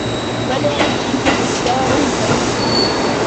وَلَا يُجِيبُ إلَّا عُنْفًا